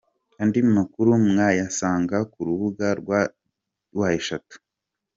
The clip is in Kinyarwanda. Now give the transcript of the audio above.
Andi makuru mwayasanga ku rubuga rwa www.